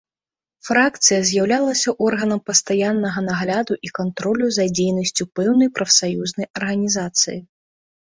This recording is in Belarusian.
Фракцыя з'яўлялася органам пастаяннага нагляду і кантролю за дзейнасцю пэўнай прафсаюзнай арганізацыі.